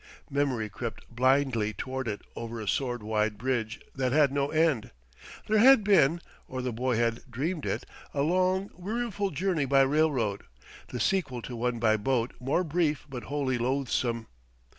Memory crept blindly toward it over a sword wide bridge that had no end. There had been (or the boy had dreamed it) a long, weariful journey by railroad, the sequel to one by boat more brief but wholly loathsome.